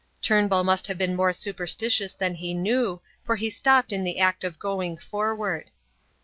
Turnbull must have been more superstitious than he knew, for he stopped in the act of going forward.